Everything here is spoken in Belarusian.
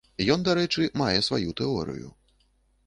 Ён, дарэчы, мае сваю тэорыю.